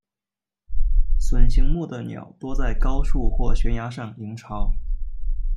隼形目的鸟多在高树或悬崖上营巢。